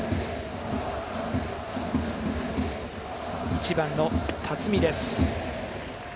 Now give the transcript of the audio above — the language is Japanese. １番の辰己です。